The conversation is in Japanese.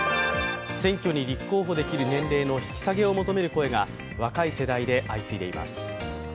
選挙に立候補できる年齢の引き下げを求める声が若い世代で相次いでいます。